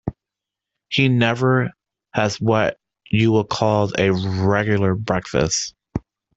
He never has what you would call a regular breakfast.